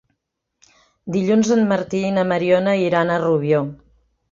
Dilluns en Martí i na Mariona iran a Rubió.